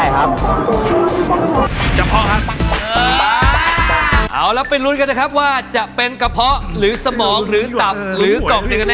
อยากให้หมูรู้ว่าจะเป็นกระเพาะหรือกองเซกน่าบหรือสมอง